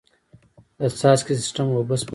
د څاڅکي سیستم اوبه سپموي.